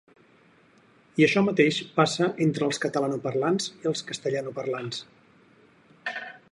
I això mateix passa entre els catalanoparlants i els castellanoparlants.